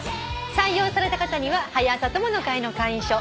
採用された方には「はや朝友の会」の会員証そして。